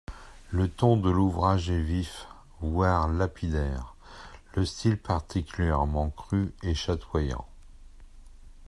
Le ton de l'ouvrage est vif, voire lapidaire, le style particulièrement cru et chatoyant.